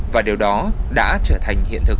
và điều đó đã trở thành hiện thực